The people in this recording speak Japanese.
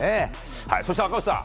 そして赤星さん